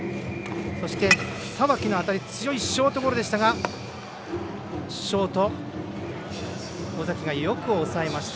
そして佐脇の当たり強いショートゴロでしたがショート尾崎がよく抑えました。